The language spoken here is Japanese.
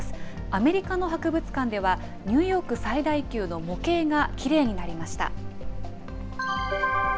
アメリカの博物館ではニューヨーク最大級の模型がきれいになりました。